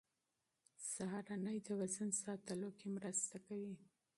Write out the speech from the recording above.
سهارنۍ د وزن ساتلو کې مرسته کوي.